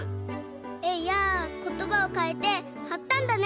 えやことばをかいてはったんだね。